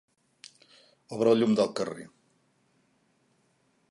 Obre el llum del carrer.